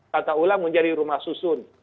tata ulang menjadi rumah susun